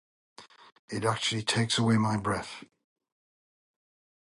It actually takes away my breath.